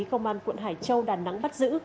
công an quận hải châu đà nẵng bắt giữ